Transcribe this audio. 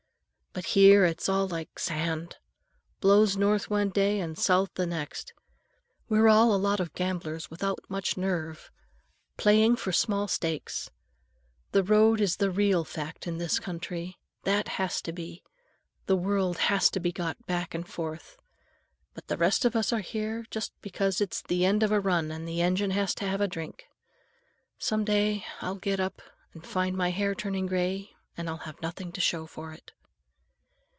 But here it's all like the sand: blows north one day and south the next. We're all a lot of gamblers without much nerve, playing for small stakes. The railroad is the one real fact in this country. That has to be; the world has to be got back and forth. But the rest of us are here just because it's the end of a run and the engine has to have a drink. Some day I'll get up and find my hair turning gray, and I'll have nothing to show for it."